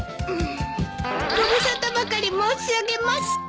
ご無沙汰ばかり申し上げまして。